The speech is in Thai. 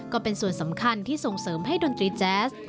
ก็เป็นส่วนสำคัญที่ส่งเสริมให้ดนตรีแจ๊ส